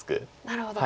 なるほど。